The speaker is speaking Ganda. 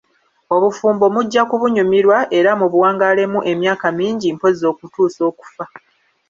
Obufumbo mujja kubunyumirwa era mu buwangaalemu emyaka mingi mpozzi okutuusa okufa.